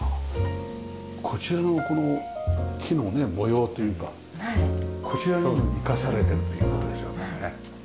こちらのこの木のね模様というかこちらにも生かされてるっていう事ですよね。